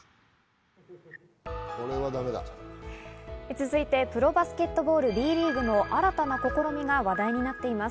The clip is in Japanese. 続いてプロバスケットボールＢリーグの新たな試みが話題になっています。